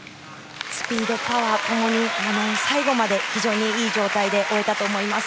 スピード、パワー共に最後まで非常にいい状態で終えたと思います。